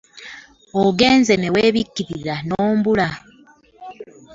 Ogenze ne weebikkirira n'ombula.